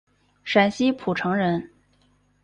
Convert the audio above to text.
陕西蒲城人。